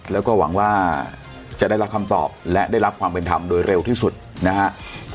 แล้วก็หวังว่าจะได้รับคำตอบและได้รับความเป็นธรรมโดยเร็วที่สุดนะครับ